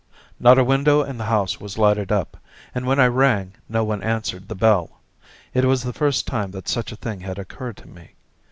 Not a window in the house was lighted up, and when I rang no one answered the bell. It was the first time that such a thing had occurred to me.